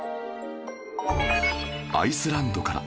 アイスランドから